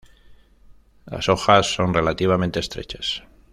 Las hojas son relativamente estrechas.